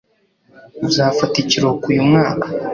Uzafata ikiruhuko uyu mwaka?